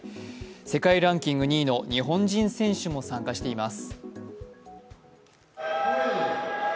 世界ランキング２位の日本人選手も参加しています。